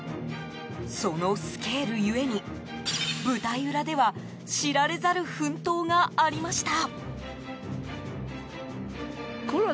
そのスケールゆえに舞台裏では知られざる奮闘がありました。